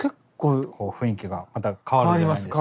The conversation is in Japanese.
雰囲気がまた変わるじゃないですか。